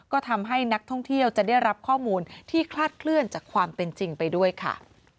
ก็ทำให้นักท่องเที่ยวจะได้รับข้อมูลที่คลาดเคลื่อนจากความเป็นจริงไปด้วยค่ะ